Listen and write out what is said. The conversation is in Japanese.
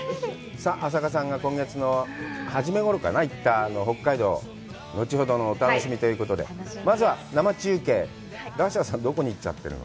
さあ朝加さんが今月の初めごろかな、行った北海道、後ほどのお楽しみということで、まずは生中継、ラッシャーさん、どこに行っちゃってるの？